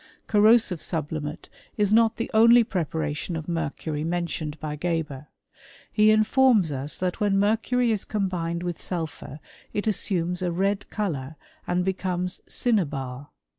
Corrosive sublimate is not the only prepe tion of mercury mentioned by Geber. He infoi us that when mercury is combined with sulp] it assumes a red colour, and becomes cinnabar.